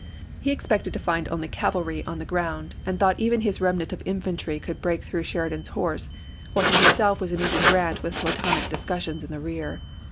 He expected to find only cavalry on the ground, and thought even his remnant of infantry could break through Sheridan's horse while he himself was amusing Grant with platonic discus sions in the rear.